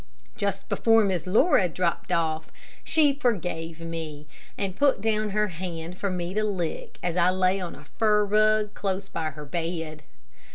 Just before Miss Laura dropped off, she forgave me, and put down her hand for me to lick as I lay on a fur rug close by her bed.